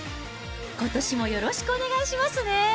ことしもよろしくお願いしますね。